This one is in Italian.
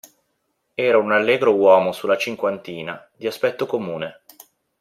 Era un allegro uomo sulla cinquantina, di aspetto comune.